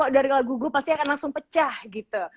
dari lagu grup pasti akan langsung pecah gitu